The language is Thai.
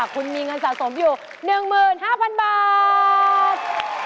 คุณมีเงินสะสมอยู่๑๕๐๐๐บาท